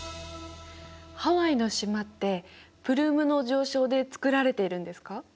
ハワイの島ってプルームの上昇でつくられているんですか？